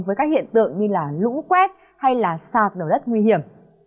với các hiện tượng như lũ quét hay sạt lở đất nguy hiểm